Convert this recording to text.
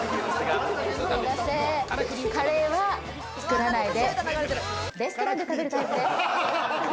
カレーは作らないでレストランで食べるタイプです。